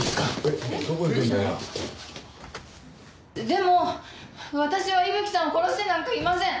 「でも私は伊吹さんを殺してなんかいません！」